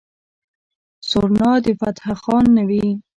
سورنا د فتح خان نه وي.